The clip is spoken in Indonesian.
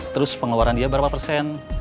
terus pengeluaran dia berapa persen